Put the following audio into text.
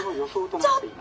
ちょっと！